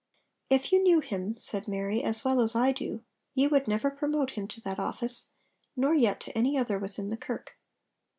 'If you knew him,' said Mary, 'as well as I do, ye would never promote him to that office, nor yet to any other within the Kirk.'